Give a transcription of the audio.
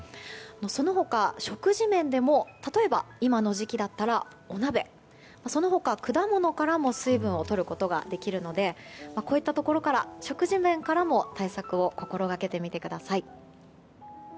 その他、食事面でも例えば今の時期だったらお鍋、その他、果物からも水分をとることができるのでこういったところから食事面からも対策を心がけてみてください。